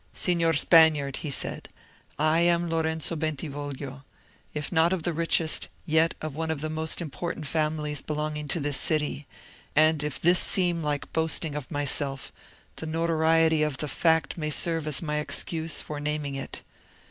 "Signor Spaniard," he said, "I am Lorenzo Bentivoglio; if not of the richest, yet of one of the most important families belonging to this city; and if this seem like boasting of myself, the notoriety of the fact may serve as my excuse for naming it.